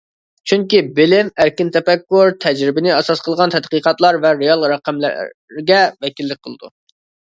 چۈنكى بىلىم، ئەركىن تەپەككۇر، تەجرىبىنى ئاساس قىلغان تەتقىقاتلار ۋە رېئال رەقەملەرگە ۋەكىللىك قىلىدۇ.